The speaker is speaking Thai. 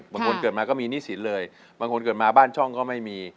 เกิดมาก็มีหนี้สินเลยบางคนเกิดมาบ้านช่องก็ไม่มี